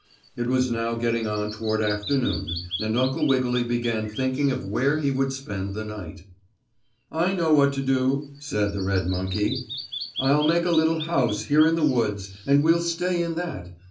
It was now getting on toward afternoon, and Uncle Wiggily began thinking of where he would spend the night. "I know what to do," said the red monkey. "I'll make a little house here in the woods, and we'll stay in that.